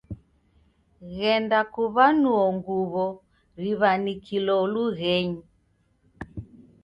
Ghenda kuw'anuo nguw'o riw'anikilo lughenyi.